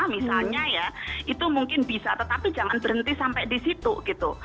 misalnya ya itu mungkin bisa tetapi jangan berhenti sampai di situ gitu